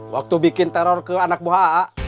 waktu bikin teror ke anak bu ha